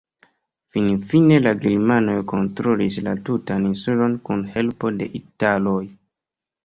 Finfine la germanoj kontrolis la tutan insulon kun helpo de italoj.